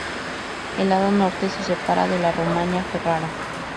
El lado norte se separa de la Romaña Ferrara.